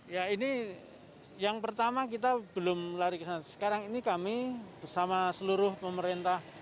ya ini yang pertama kita belum lari ke sana sekarang ini kami bersama seluruh pemerintah